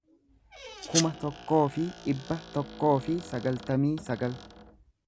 kuma tokkoo fi dhibba tokkoo fi sagaltamii sagal